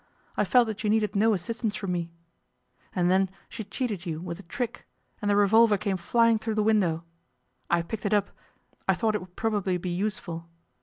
I felt that you needed no assistance from me. And then she cheated you with a trick, and the revolver came flying through the window. I picked it up, I thought it would probably be useful.